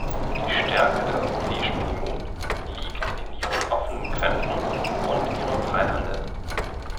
Die Stärke der Europäischen Union liegt in ihren offenen Grenzen und ihrem Freihandel.